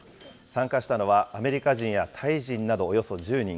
参加したのはアメリカ人やタイ人などおよそ１０人。